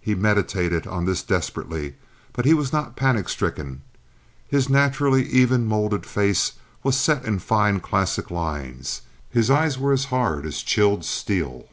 He meditated on this desperately, but he was not panic stricken. His naturally even molded face was set in fine, classic lines; his eyes were as hard as chilled steel.